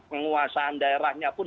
penguasaan daerahnya pun